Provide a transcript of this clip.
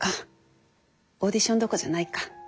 オーディションどころじゃないか。